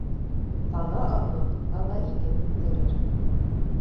Таҙа орлоҡ таҙа иген үҫтерер